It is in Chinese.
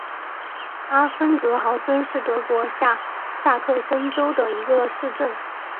阿芬格豪森是德国下萨克森州的一个市镇。